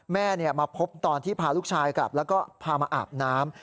แม่มาพบตอนที่พาลูกชายกลับแล้วก็พามาอาบน้ำ